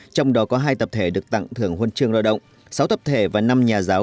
trong đó có hai tập thể được tặng thưởng huân chương lao động sáu tập thể và năm nhà giáo